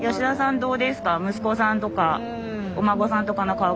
どうですか？